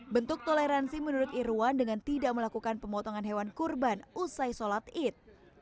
bentuk toleransi menurut irwan dengan tidak melakukan pemotongan hewan kurban usai sholat id